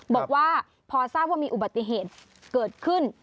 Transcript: บอกว่าพอทราบว่ามีอุบัติเหตุเกิดขึ้น